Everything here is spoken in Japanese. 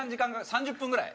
３０分ぐらい。